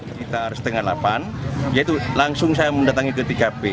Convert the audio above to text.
sekitar setengah delapan yaitu langsung saya mendatangi ke tkp